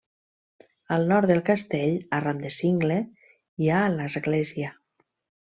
Al nord del castell, arran de cingle, hi ha l'església.